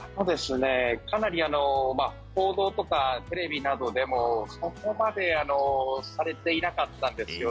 かなり報道とかテレビなどでもそこまでされていなかったんですよ。